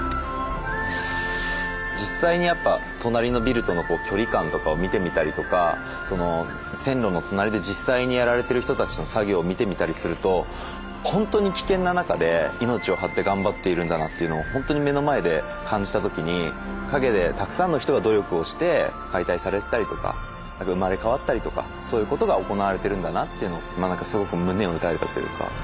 実際にやっぱ隣のビルとの距離感とかを見てみたりとか線路の隣で実際にやられてる人たちの作業を見てみたりすると本当に危険な中で命を張って頑張っているんだなっていうのをほんとに目の前で感じた時に陰でたくさんの人が努力をして解体されてたりとか生まれ変わったりとかそういうことが行われてるんだなっていうのすごく胸を打たれたというか。